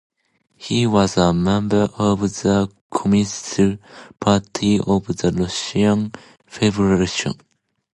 He was a member of the Communist Party of the Russian Federation.